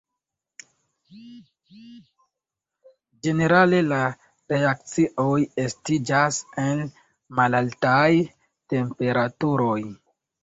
Ĝenerale la reakcioj estiĝas en malaltaj temperaturoj.